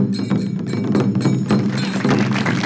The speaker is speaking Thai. ไป